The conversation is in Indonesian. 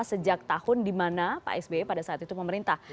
sejak tahun dimana pak sbi pada saat itu pemerintah